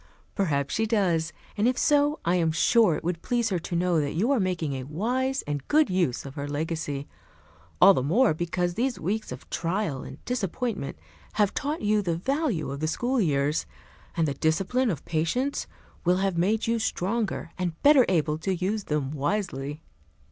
"Perhaps she does; and if so, I am sure it would please her to know that you are making a wise and good use of her legacy; all the more because these weeks of trial and disappointment have taught you the value of the school years; and the discipline of patience will have made you stronger and better able to use them wisely."